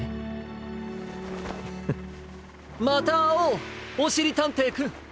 フッまたあおうおしりたんていくん。